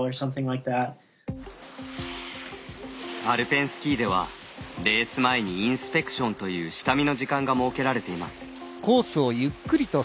アルペンスキーではレース前にインスペクションという下見の時間が設けられています。